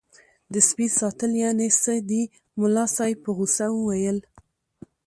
د سپي ساتل یعنې څه دي ملا صاحب په غوسه وویل.